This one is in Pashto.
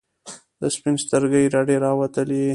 د سپین سترګي رډي راووتلې.